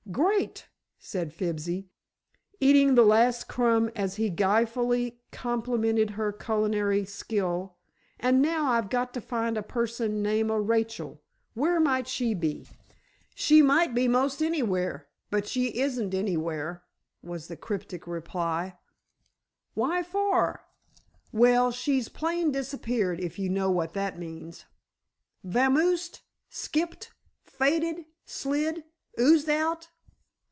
"Great," said Fibsy, eating the last crumb as he guilefully complimented her culinary skill, "and now I've got to find a person name o' Rachel. Where might she be?" "She might be 'most anywhere, but she isn't anywhere," was the cryptic reply. "Why for?" "Well, she's plain disappeared, if you know what that means." "Vamoosed? Skipped? Faded? Slid? Oozed out?"